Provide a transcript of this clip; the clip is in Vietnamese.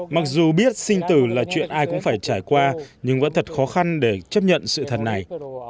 mặc dù biết sinh tử là chuyện ai cũng phải trải qua nhưng vẫn thật khó khăn để chấp nhận sự thật này